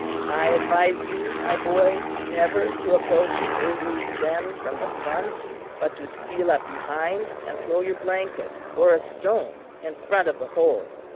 "I advise you, my boy, never to approach a grizzly's den from the front, but to steal up behind and throw your blanket or a stone in front of the hole.